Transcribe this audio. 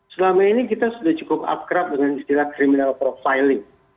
selama ini kita sudah cukup up crap dengan istilah criminal profiling